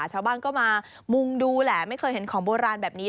ชาวบ้านก็มามุงดูแหละไม่เคยเห็นของโบราณแบบนี้